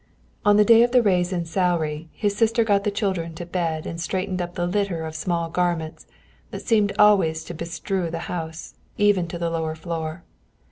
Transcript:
On the day of the raise in salary his sister got the children to bed and straightened up the litter of small garments that seemed always to bestrew the house, even to the lower floor.